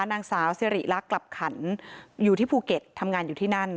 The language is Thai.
นางสาวสิริรักษ์กลับขันอยู่ที่ภูเก็ตทำงานอยู่ที่นั่น